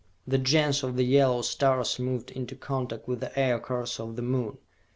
The Gens of the yellow stars moved into contact with the Aircars of the Moon.